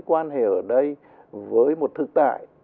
quan hệ ở đây với một thực tại